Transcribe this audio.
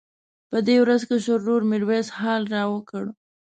په دې ورځ کشر ورور میرویس حال راوکړ.